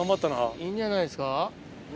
いいんじゃないですか。